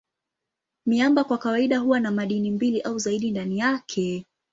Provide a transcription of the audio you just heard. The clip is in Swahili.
Miamba kwa kawaida huwa na madini mbili au zaidi ndani yake.